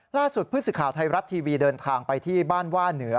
ล่าสุดพฤศิขาวไทยรัตน์ทีวีเดินทางไปที่บ้านว่าเหนือ